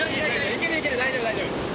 いけるいける大丈夫大丈夫。